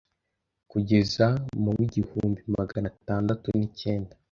kugeza mu w’ igihumbi magana atandatu n' icyenda